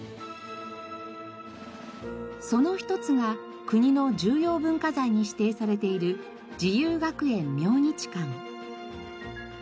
その一つが国の重要文化財に指定されている自由学園明日館。